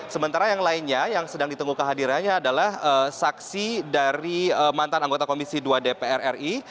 sementara yang lainnya yang sedang ditunggu kehadirannya adalah saksi dari mantan anggota komisi dua dpr ri